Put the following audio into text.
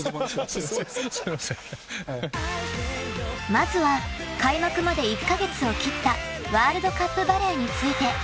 ［まずは開幕まで１カ月を切ったワールドカップバレーについて］